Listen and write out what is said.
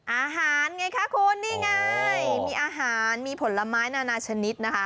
อาหารไงคะคุณนี่ไงมีอาหารมีผลไม้นานาชนิดนะคะ